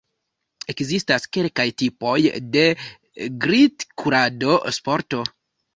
Ekzistas kelkaj tipoj de glitkurado-sporto.